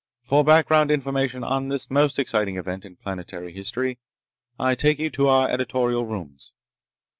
For background information on this the most exciting event in planetary history, I take you to our editorial rooms."